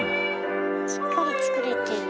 しっかり作れてる。